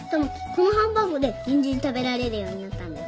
このハンバーグでニンジン食べられるようになったんだよ。